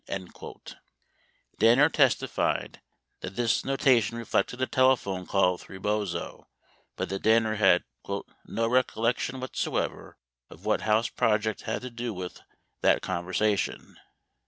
15 Danner testified that this notation reflected a telephone call with Rebozo, but that Danner had "no recollection whatsoever of what house project had to do with thait conversation."